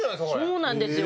そうなんですよ。